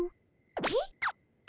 えっ？